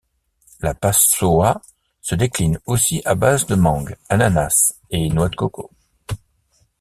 La Passoã se décline aussi à base de mangue, ananas, et noix de coco.